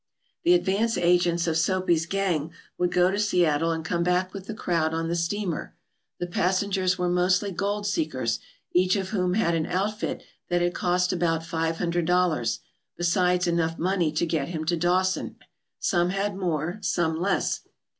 The advance agents of Soapy's gang would go to Seattle and come back with the crowd on the steamer. The passengers were mostly gold seekers, each of whom had an outfit that had cost about five hundred dollars, besides enough money to get him to Dawson. Some had more, some less.